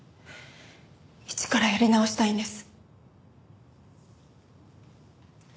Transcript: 一からやり直したいんです。